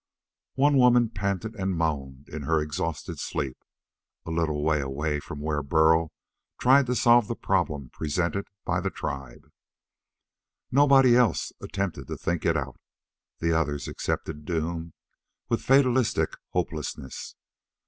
One woman panted and moaned in her exhausted sleep, a little way from where Burl tried to solve the problem presented by the tribe. Nobody else attempted to think it out. The others accepted doom with fatalistic hopelessness.